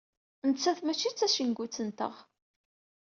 Nettat mačči d tacengut-nteɣ.